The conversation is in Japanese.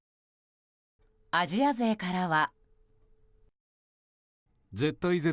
アジア勢からは。